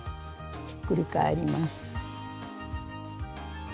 ひっくり返ります。